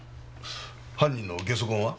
犯人のゲソ痕は？